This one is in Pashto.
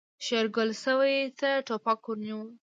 شېرګل سوی ته ټوپک ور ونيو.